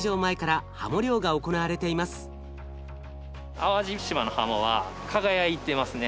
淡路島のハモは輝いてますね。